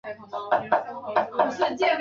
它是红灯区的一部分。